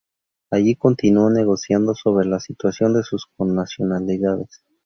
Allí continuó negociando sobre la situación de sus connacionales.